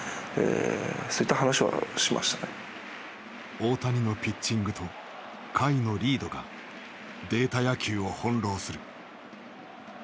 大谷のピッチングと甲斐のリードがデータ野球を翻弄する。